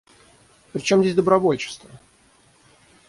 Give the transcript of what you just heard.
Причем здесь добровольчество?